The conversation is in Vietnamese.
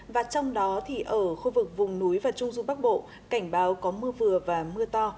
và trong đó thì ở khu vực vùng núi và trung du bắc bộ cảnh báo có mưa vừa và mưa to